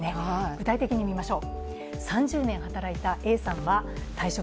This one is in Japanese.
具体的に見ましょう。